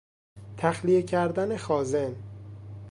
تخلیه کردن خازن